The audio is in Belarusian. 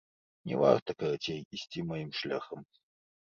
Не варта, карацей, ісці маім шляхам.